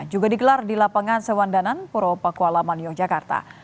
juga digelar di lapangan sewandanan puro pakualaman yogyakarta